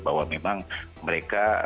bahwa memang mereka